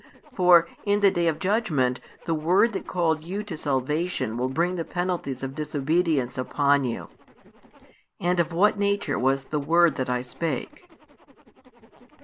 For in the day of judgment, the word that called you to salvation will bring the penalties of disobedience upon you. And of what nature was the word that I spake?"